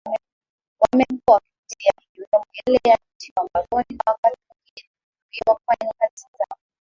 wamekuwa wakipitia ikiwemo yale ya kutiwa mbaroni na wakati mwingine kuzuiwa kufanya kazi zao